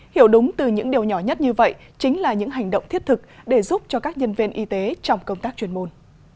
hiểu đúng từ những điều nhỏ nhất như vậy chính là những hành động thiết thực để giúp cho các nhân viên y tế trong công tác chuyên môn